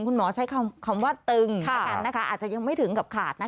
คุณหมอใช้คำว่าตึงอาจจะยังไม่ถึงกับขาด